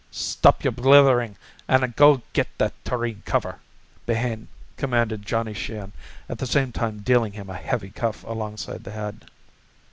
"Stop yer blitherin', an' go an' get the tureen cover," Behane commanded Johnny Sheehan, at the same time dealing him a heavy cuff alongside the head.